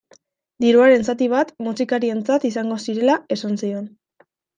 Diruaren zati bat musikarientzat izango zirela esan zion.